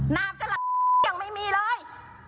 นามจะหลับยังไม่มีเลย